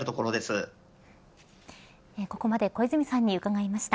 ￥ここまで小泉さんに伺いました。